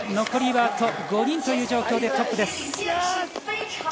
残りはあと５人という状況でトップです。